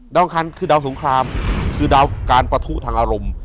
อังคารคือดาวสงครามคือดาวการปะทุทางอารมณ์